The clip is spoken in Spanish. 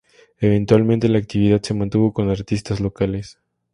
Eventualmente la actividad se mantuvo con artistas locales.